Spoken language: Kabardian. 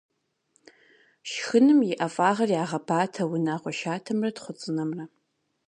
Шхыным и ӏэфагъыр ягъэбатэ унагъуэ шатэмрэ тхъуцӏынэмрэ.